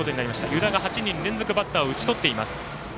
湯田が８人連続バッターを打ち取っています。